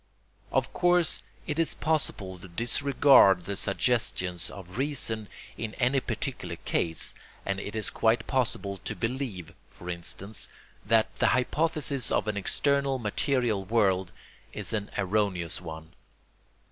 Of course, it is possible to disregard the suggestions of reason in any particular case and it is quite possible to believe, for instance, that the hypothesis of an external material world is an erroneous one.